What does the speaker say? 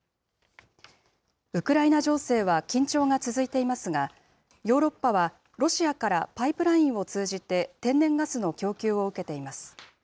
ウクライナ情勢は緊張が続いていますが、ヨーロッパはロシアからパイプラインを通じて天然ガスの供給を受けています。